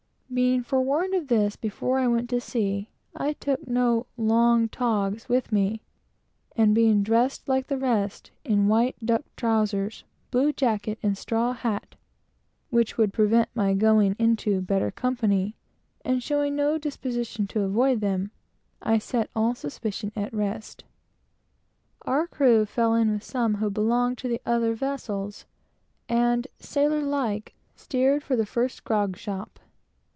Being forewarned of this before I went to sea, I took no "long togs" with me, and being dressed like the rest, in white duck trowsers, blue jacket and straw hat, which would prevent my going in better company, and showing no disposition to avoid them, I set all suspicion at rest. Our crew fell in with some who belonged to the other vessels, and, sailor like, steered for the first grog shop.